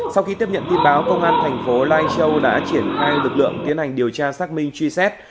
sau khi tiếp nhận tin báo công an thành phố lai châu đã triển khai lực lượng tiến hành điều tra xác minh truy xét